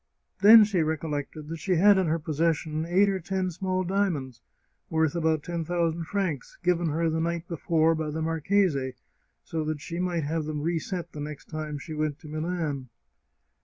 Then she recollected that she had in her possession eight or ten small diamonds, worth about ten thousand francs, given her the night be fore by the marchese, so that she might have them reset the next time she went to Milan.